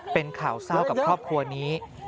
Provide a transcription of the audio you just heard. เป็นข่าวเศร้ากับครอบครัวนี้